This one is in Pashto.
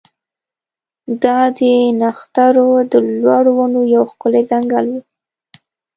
دا د نښترو د لوړو ونو یو ښکلی ځنګل و